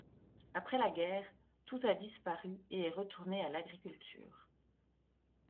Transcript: Après la guerre, tout a disparu et est retourné à l'agriculture.